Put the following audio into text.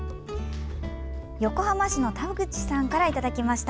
横浜市の田口さんからいただきました。